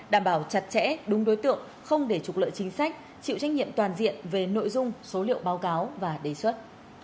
đảm bảo chặt chẽ đúng đối tượng không để trục lợi chính sách chịu trách nhiệm toàn diện về nội dung số liệu báo cáo và đề xuất